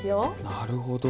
なるほど。